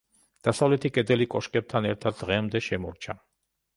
დასავლეთი კედელი კოშკებთან ერთად დღემდე შემორჩა.